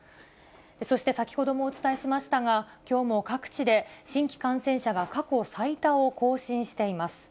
そして先ほどもお伝えしましたが、きょうも各地で新規感染者が過去最多を更新しています。